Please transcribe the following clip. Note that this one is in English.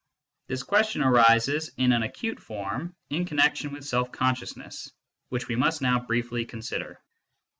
This question arises in an acute form in connection with self consciousness, which we must now briefly consider.